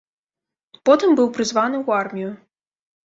Потым быў прызваны ў армію.